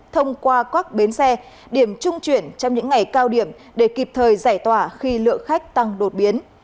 thông qua các bến xe điểm trung chuyển trong những ngày cao điểm để kịp thời giải tỏa khi lượng khách tăng đột biến